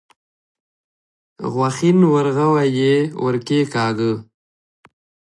غوښين ورغوی يې ور کېکاږه.